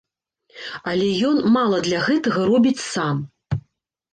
Але ён мала для гэтага робіць сам.